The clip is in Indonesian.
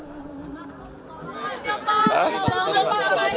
jadi itu aja ini adalah waktunya